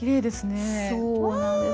そうなんです。